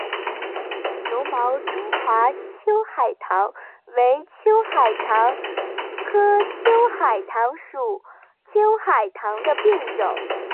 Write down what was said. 柔毛中华秋海棠为秋海棠科秋海棠属秋海棠的变种。